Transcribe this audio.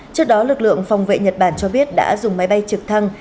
trước đó lực lượng phòng vệ nhật bản cho biết đã dùng máy bay trực thăng